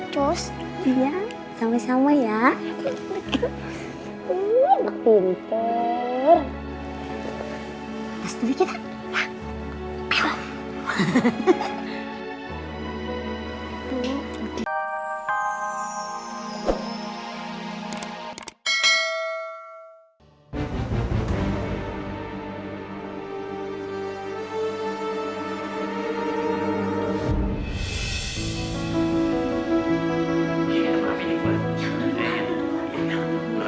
gus iya sama sama ya sebeda hai bahas dia